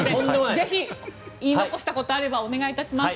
ぜひ、言い残したことがあればお願いします。